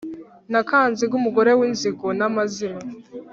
Na Kanziga umugore w'inzigo n'amazimwe